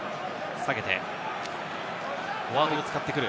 下げてフォワードを使ってくる。